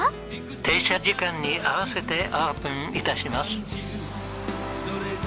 停車時間に合わせてオープン致します。